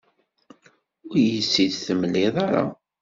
Ur iyi-tt-id-temliḍ ara.